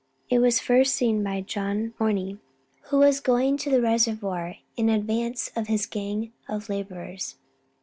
It was first seen by John Morney, who was going to the reservoir in advance of his gang of laborers.